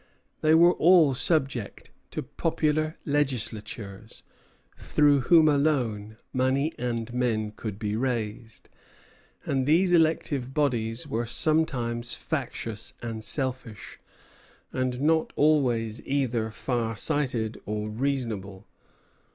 They were all subject to popular legislatures, through whom alone money and men could be raised; and these elective bodies were sometimes factious and selfish, and not always either far sighted or reasonable.